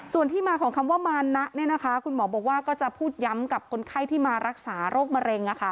ส่วนที่มาของคำว่ามานะคุณหมอบอกว่าก็จะพูดย้ำกับคนไข้ที่มารักษาโรคมะเร็ง